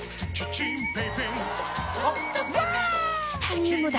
チタニウムだ！